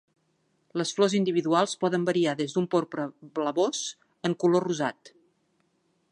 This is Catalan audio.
Les flors individuals poden variar des d'un porpra blavós en color rosat.